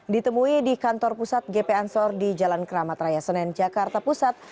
ditemui di kantor pusat gp ansor di jalan keramat raya senen jakarta pusat